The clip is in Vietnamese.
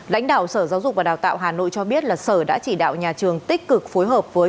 lãnh đạo sở giáo dục và đào tạo hà nội cho biết là sở đã chỉ đạo nhà trường tích cực phối hợp với